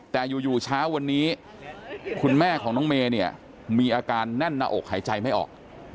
แต่อยู่เช้าวันนี้คุณแม่ของน้องเมย์เนี่ยมีอาการแน่นหน้าอกหายใจไม่ออก